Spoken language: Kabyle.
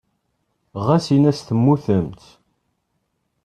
Ɣas in-as temmutemt.